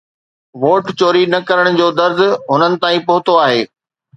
vote چوري نه ڪرڻ جو درد هنن تائين پهتو آهي